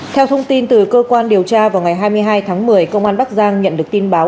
theo thông tin từ cơ quan điều tra vào ngày hai mươi hai tháng một mươi công an bắc giang nhận được tin báo